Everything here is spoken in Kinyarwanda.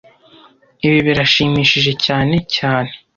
Ibi birashimishije cyane cyane